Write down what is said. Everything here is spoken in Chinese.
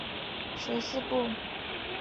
内容包括十四部注和十三部疏。